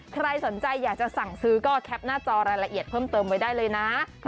ใครสนใจอยากจะสั่งซื้อก็แคปหน้าจอรายละเอียดเพิ่มเติมไว้ได้เลยนะ